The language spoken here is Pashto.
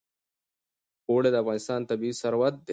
اوړي د افغانستان طبعي ثروت دی.